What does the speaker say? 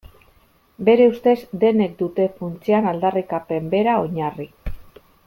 Bere ustez denek dute funtsean aldarrikapen bera oinarri.